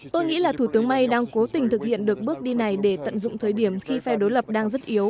tôi nghĩ là thủ tướng may đang cố tình thực hiện được bước đi này để tận dụng thời điểm khi phe đối lập đang rất yếu